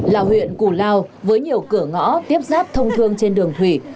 là huyện củ lao với nhiều cửa ngõ tiếp giáp thông thương trên đường thủy